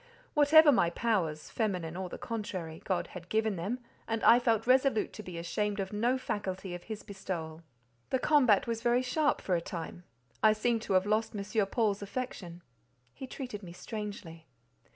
Whatever my powers—feminine or the contrary—God had given them, and I felt resolute to be ashamed of no faculty of his bestowal. The combat was very sharp for a time. I seemed to have lost M. Paul's affection; he treated me strangely.